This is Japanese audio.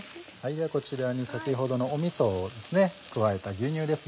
じゃあこちらに先ほどのみそを加えた牛乳ですね。